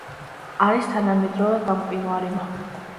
არის თანამედროვე გამყინვარება.